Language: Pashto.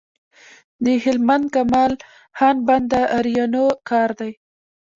د هلمند کمال خان بند د آرینو کار دی